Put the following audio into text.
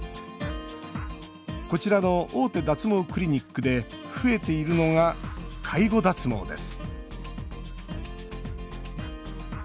こちらの大手脱毛クリニックで増えているのが介護脱毛です